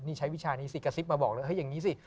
นี่ใช้วิชานี้สิกระซิบมาบอกเลยเฮ้ยอย่างนี้สิ